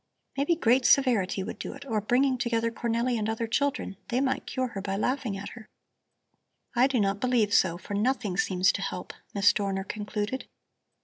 Maybe great severity would do it or bringing together Cornelli and other children; they might cure her by laughing at her." "I do not believe so, for nothing seems to help," Miss Dorner concluded.